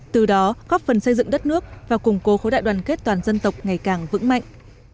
từ đó góp phần xây dựng đất nước và củng cố khối đại đoàn kết toàn dân tộc ngày càng vững mạnh